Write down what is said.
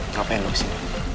ngapain lo disini